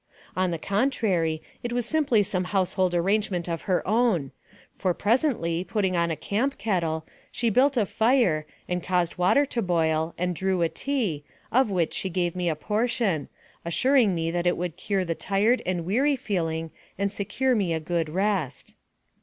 On the contrary, it was simply AMONG THE SIOUX INDIANS. 87 some household arrangement of her own, for presently, putting on a camp kettle, she built a fire, and caused water to boil, and drew a tea, of which she gave me a portion, assuring me that it would cure the tired and weary feeling and secure me a good rest.